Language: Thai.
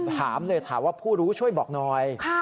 ถามเลยถามว่าผู้รู้ช่วยบอกหน่อย